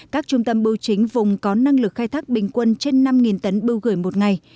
các trung tâm bưu chính vùng có năng lực khai thác bình quân trên năm tấn bưu gửi một ngày